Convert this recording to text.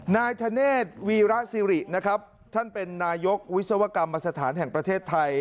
นายธเนธวีระสิรินะครับท่านเป็นนายกวิศวกรรมสถานแห่งประเทศไทย